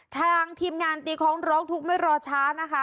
ทางทีมงานตีของรกถุไม่รอช้านะคะ